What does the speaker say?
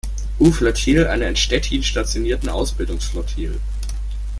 U-Flottille, einer in Stettin stationierten Ausbildungsflottille.